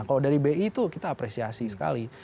kalau dari bi itu kita apresiasi sekali